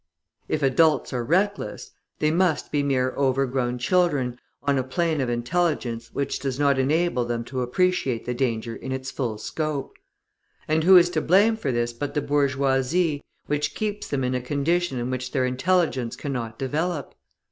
If adults are reckless, they must be mere over grown children on a plane of intelligence which does not enable them to appreciate the danger in its full scope; and who is to blame for this but the bourgeoisie which keeps them in a condition in which their intelligence cannot develop?